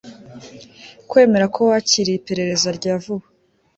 Kwemera ko wakiriye iperereza rya vuba